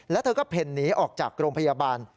แล้วเธอก็เพ่นหนีออกจากโรงพยาบาล